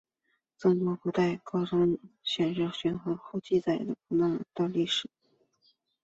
中国古代高僧法显和玄奘先后记载了菩提伽耶的历史。